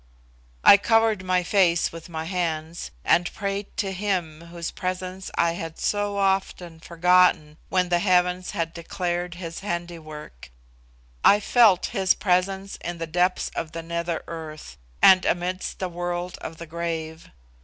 I covered my face with my hands, and prayed to Him whose presence I had so often forgotten when the heavens had declared His handiwork. I felt His presence in the depths of the nether earth, and amidst the world of the grave.